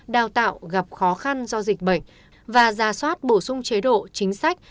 đào tạo gặp khó khăn do dịch bệnh và ra soát bổ sung chế độ chính sách